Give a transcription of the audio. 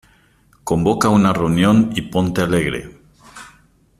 Convoca una reunión y ponte alegre.